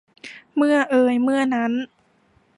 เมื่อเอยเมื่อนั้น